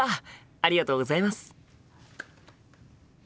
ありがとうございます。